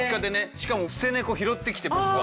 しかも捨て猫拾ってきて僕が。